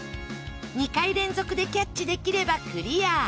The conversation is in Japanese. ２回連続でキャッチできればクリア。